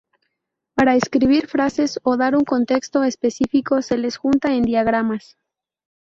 Para escribir frases o dar un contexto específico se les junta en diagramas.